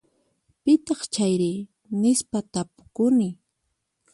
Pitaq chayri? Nispa tapukuni.